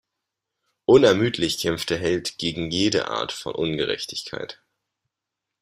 Unermüdlich kämpft der Held gegen jede Art von Ungerechtigkeit.